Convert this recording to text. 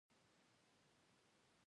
• مینه د سکون تر ټولو لویه لاره ده.